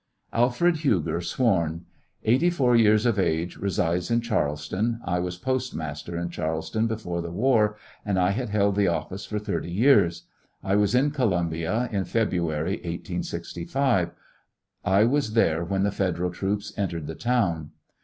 Alfred Huger sworn: Eighty four years of age; resides in Charleston ; I was Post master at Charleston before the war, and I had held the office for thirty years; I was in Columbia, in February, 1865 ; I was there when the Federal troops entered the town.